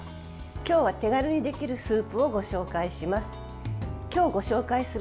今日は手軽にできるスープをご紹介します。